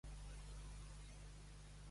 No apareix tampoc a la llista d'Abidos.